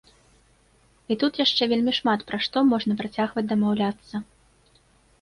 І тут яшчэ вельмі шмат пра што можна працягваць дамаўляцца.